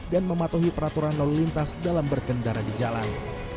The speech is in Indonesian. dan mematuhi peraturan lalu lintas dalam berkendara di jalan